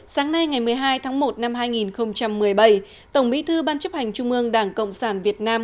sáng nay ngày một mươi hai tháng một năm hai nghìn một mươi bảy tổng bí thư ban chấp hành trung ương đảng cộng sản việt nam